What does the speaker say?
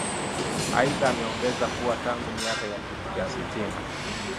aidha ameongeza kuwa tangu miaka ya sitini